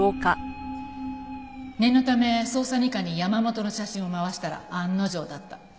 念のため捜査二課に山本の写真を回したら案の定だった。